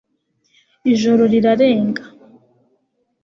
ijoro rirarenga